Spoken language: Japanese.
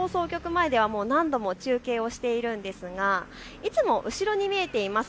前では何度も中継をしているんですがいつも後ろに見えています